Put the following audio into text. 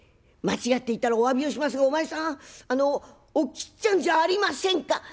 間違っていたらおわびをしますがお前さんあのおきっちゃんじゃありませんか？」。